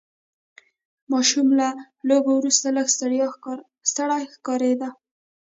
ماشوم له لوبو وروسته لږ ستړی ښکاره کېده.